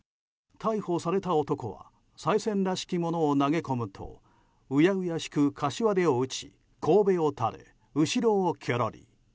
逮捕された男はさい銭らしきものを投げ込むと恭しく柏手を打ちこうべを垂れ、後ろをきょろり。